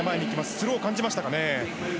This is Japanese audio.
スローを感じましたかね。